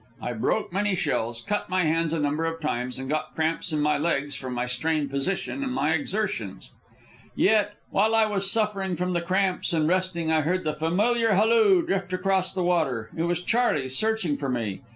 I broke many shells, cut my hands a number of times, and got cramps in my legs from my strained position and my exertions. While I was suffering from the cramps, and resting, I heard the familiar halloo drift across the water. It was Charley, searching for me.